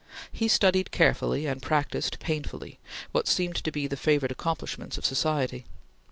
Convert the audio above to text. He studied carefully, and practised painfully, what seemed to be the favorite accomplishments of society.